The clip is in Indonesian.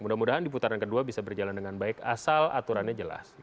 mudah mudahan di putaran kedua bisa berjalan dengan baik asal aturannya jelas